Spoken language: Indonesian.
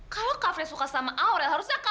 kalau kak frey suka sama aurel harusnya kak frey